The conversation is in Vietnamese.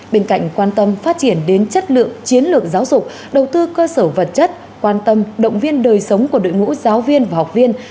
bên cạnh quan tâm phát triển đến chất lượng chiến lược giáo dục đầu tư cơ sở vật chất quan tâm động viên đời sống của đội ngũ giáo viên và học viên